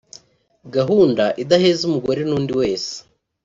gahunda idaheza umugore n’undi wese